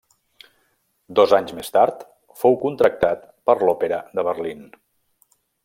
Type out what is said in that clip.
Dos anys més tard, fou contractat per l'Òpera de Berlín.